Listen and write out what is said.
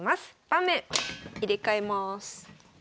盤面入れ替えます。